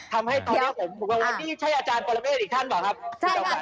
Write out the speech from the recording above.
ทำให้ตอนนี้ผมกำลังนี่ใช่อาจารย์ปรเมฆอีกท่านเปล่าครับ